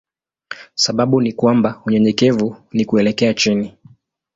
Sababu ni kwamba unyenyekevu ni kuelekea chini.